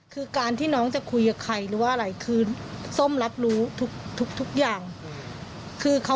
คือให้พูดให้หมดเลยอะค่ะ